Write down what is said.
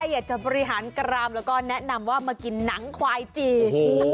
อยากจะบริหารกรามแล้วก็แนะนำว่ามากินหนังควายจีน